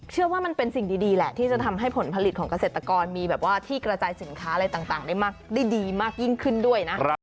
เชื่อว่ามันเป็นสิ่งดีแหละที่จะทำให้ผลผลิตของเกษตรกรมีแบบว่าที่กระจายสินค้าอะไรต่างได้ดีมากยิ่งขึ้นด้วยนะ